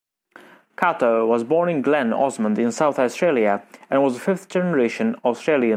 Cato was born in Glen Osmond in South Australia, and was a fifth-generation Australian.